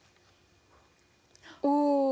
お。